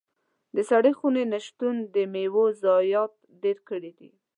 د سړې خونې نه شتون د میوو ضايعات ډېر کړي دي.